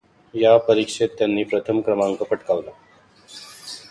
या परीक्षेत त्यांनी प्रथम क्रमांक पटकावला.